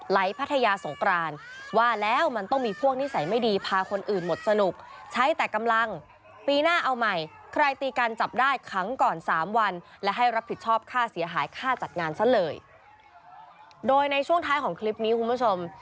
โดยในช่วงท้ายของคลิปนี้คุณผู้ชม